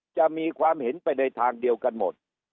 จะมีความเห็นไปในทางเดียวกันหมด